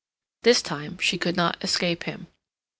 This time she could not escape him.